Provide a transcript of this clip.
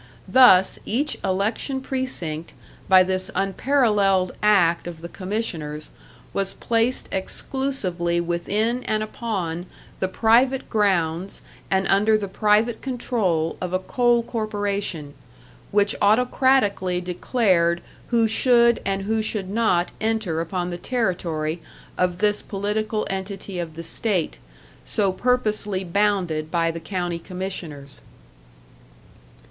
Thus each election precinct by this unparalleled act of the commissioners was placed exclusively within and upon the private grounds and under the private control of a coal corporation, which autocratically declared who should and who should not enter upon the territory of this political entity of the state, so purposely bounded by the county commissioners.